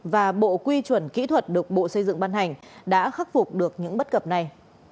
và bộ quy chuẩn kỹ thuật được bộ xây dựng ban hành đã khắc phục được những bất cập này